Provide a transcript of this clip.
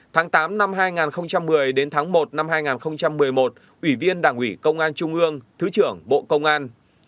tháng tám năm hai nghìn một mươi đến tháng một năm hai nghìn một mươi một ủy viên đảng ủy công an trung ương thứ trưởng bộ công an